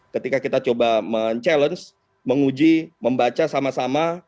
ketika kita coba mencabar menguji membaca sama sama